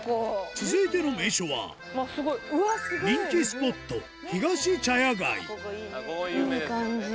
続いての名所は人気スポットいい感じ。